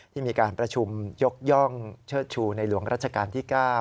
ที่มีการประชุมยกย่องเชิดชูในหลวงรัชกาลที่๙